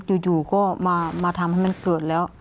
จู่ก็มามาทำใหม่มั้งเกิดแล้ว